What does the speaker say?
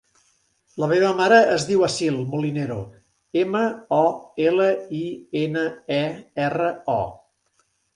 La meva mare es diu Assil Molinero: ema, o, ela, i, ena, e, erra, o.